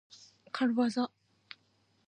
かるわざ。